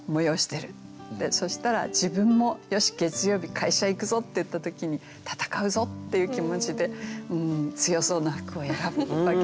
そしたら自分も「よし月曜日会社行くぞ」っていった時に戦うぞっていう気持ちで強そうな服を選ぶわけですよね。